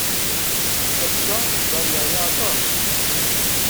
Ass-a, Dan yeɛya aṭas.